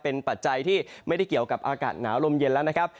เป็นปัจจัยที่ไม่ได้เกี่ยวกับอากาศหนาวลมเย็นแล้วนะครับ